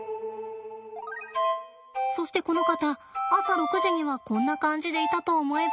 そしてこの方朝６時にはこんな感じでいたと思えば。